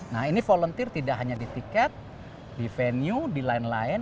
nah ini volunteer tidak hanya di tiket di venue di lain lain